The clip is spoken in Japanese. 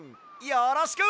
よろしく！